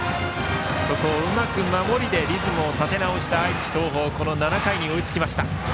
そこをうまく守りでリズムを立て直した愛知・東邦７回に追いつきました。